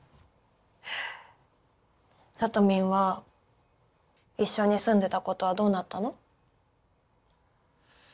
サトミンは一緒に住んでた子とはどうなったの？